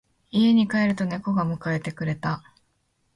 家に帰ると猫が迎えてくれた。